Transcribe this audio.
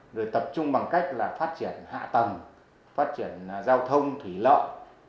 rồi tập trung bằng cách là phát triển hạ tầng phát triển giao thông thủy lợi